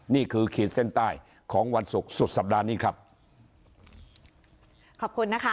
ขีดเส้นใต้ของวันศุกร์สุดสัปดาห์นี้ครับขอบคุณนะคะ